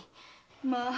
まあ。